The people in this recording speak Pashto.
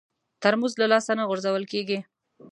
ترموز له لاسه نه غورځول کېږي.